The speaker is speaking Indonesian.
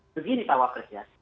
begini pak wapres ya